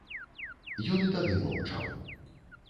Ён і тады маўчаў.